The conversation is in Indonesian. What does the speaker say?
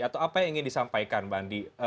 atau apa yang ingin disampaikan mbak andi